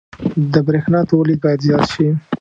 • د برېښنا تولید باید زیات شي.